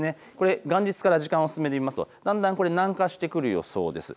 元日から時間を進めてみますとだんだん南下してくる予想です。